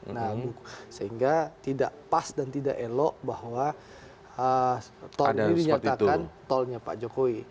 nah sehingga tidak pas dan tidak elok bahwa tol ini dinyatakan tolnya pak jokowi